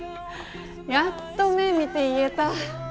やっと目見て言えた。